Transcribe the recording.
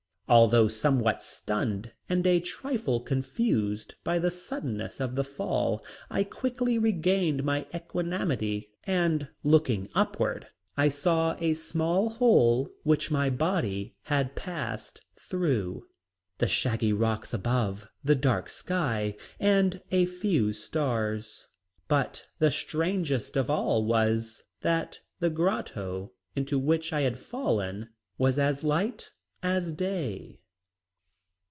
Although somewhat stunned and a trifle confused by the suddenness of the fall, I quickly regained my equanimity and looking upward I saw a small hole which my body had passed through, the shaggy rocks above, the dark sky and a few stars, but the strangest thing of all was, that the grotto into which I had fallen was as light as day.